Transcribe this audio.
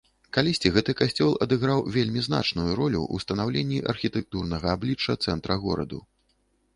Калісьці гэты касцёл адыграў вельмі значную ролю ў станаўленні архітэктурнага аблічча цэнтра гораду.